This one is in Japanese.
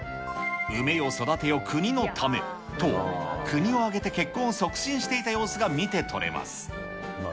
産めよ、育てよ、国のためと、国を挙げて結婚を促進していた様子が見て取れます。